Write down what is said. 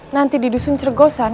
nanti di dusun cergosan